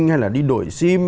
hay là đi đổi sim